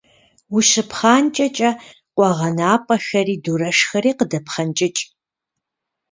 Ущыпхъанкӏэкӏэ, къуэгъэнапӏэхэри дурэшхэри къыдэпхъэнкӏыкӏ.